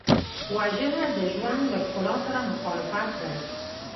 وژنه د ژوند له ښکلا سره مخالفت دی